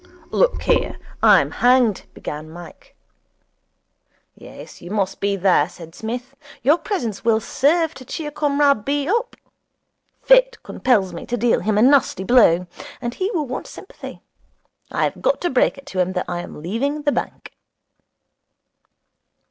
'Look here, I'm hanged ' began Mike. 'Yes, you must be there,' said Psmith. 'Your presence will serve to cheer Comrade B. up. Fate compels me to deal him a nasty blow, and he will want sympathy. I have got to break it to him that I am leaving the bank.'